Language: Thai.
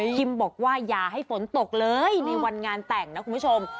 คิมบอกว่าอย่าให้ฝนตกเลยในวันงานแต่งนะคุณผู้ชม